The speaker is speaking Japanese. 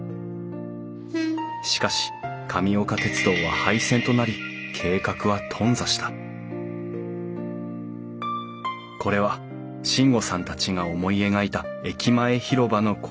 しかし神岡鉄道は廃線となり計画は頓挫したこれは進悟さんたちが思い描いた駅前広場の構想図。